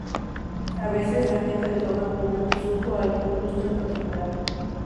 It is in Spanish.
A veces, la gente lo toma como un insulto a algún gusto en particular.